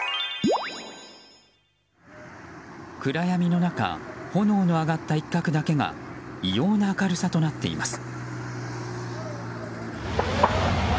暗闇の中炎の上がった一角だけが異様な明るさとなっています。